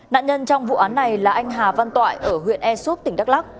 nạn nhân trong vụ án này là anh hà văn toại ở huyện e suốt tỉnh đắk lắc